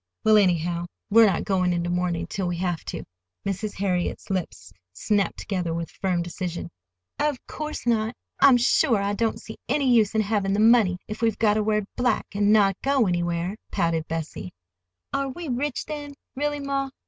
"Well, anyhow, we're not going into mourning till we have to." Mrs. Harriet's lips snapped together with firm decision. "Of course not. I'm sure I don't see any use in having the money if we've got to wear black and not go anywhere," pouted Bessie. "Are we rich, then, really, ma?"